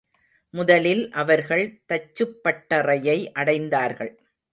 முதலில் அவர்கள் தச்சுப்பட்டறையை அடைந்தார்கள்.